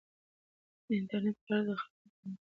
د انټرنیټ کارول د خلاقیت د لوړېدو لامل کیږي.